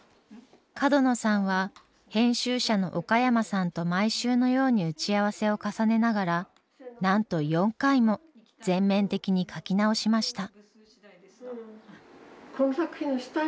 角野さんは編集者の岡山さんと毎週のように打ち合わせを重ねながらなんと４回も全面的に書き直しました。